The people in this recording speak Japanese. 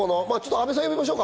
阿部さんを呼びましょうか。